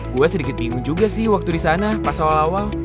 gue sedikit bingung juga sih waktu di sana pas awal awal